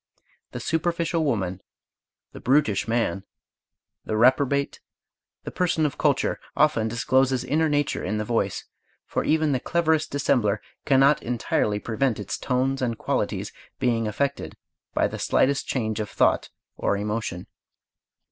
The superficial woman, the brutish man, the reprobate, the person of culture, often discloses inner nature in the voice, for even the cleverest dissembler cannot entirely prevent its tones and qualities being affected by the slightest change of thought or emotion.